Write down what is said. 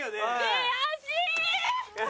悔しい！